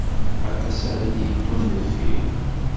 Aṭas ara d-yeddun deffir.